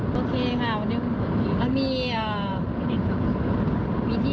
ก็จะรอห้องพักเรียนแล้วค่ะ